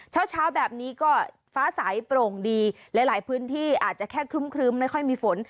เช้าเช้าแบบนี้ก็ฟ้าใสโปร่งดีหลายพื้นที่อาจจะแค่ครึ้มไม่ค่อยมีฝน